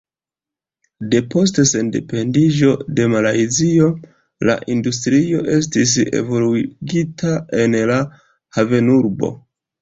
Depost sendependiĝo de Malajzio la industrio estis evoluigita en la havenurbo.